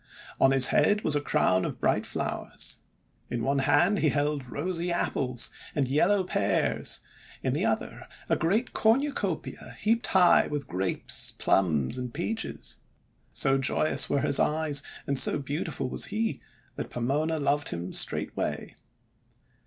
On his head was a crown of bright flowers. In one hand he held rosy Apples and yellow Pears, j in the other a great cornucopia heaped high with , Grapes, Plums, and Peaches. So joyous were his eyes and so beautiful was he, that Pomona loved him straightway.